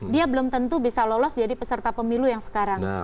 dia belum tentu bisa lolos jadi peserta pemilu yang sekarang